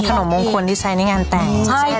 มงคลที่ใช้ในงานแต่ง